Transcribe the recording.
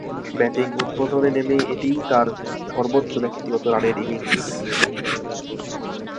Batting উদ্বোধনে নেমে এটিই তার সর্বোচ্চ ব্যক্তিগত রানের ইনিংস ছিল।